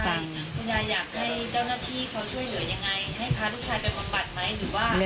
อยากให้เจ้าหน้าที่เขาช่วยเหลือยังไงให้พาลูกชายไปมันบัดไหม